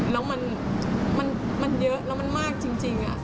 แล้วมันเยอะแล้วมันมากจริง